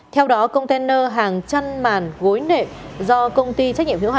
theo đó container hàng chăn màn gối nệm do công ty trách nhiệm hiệu hạn